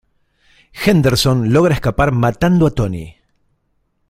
Henderson logra escapar matando a Tony.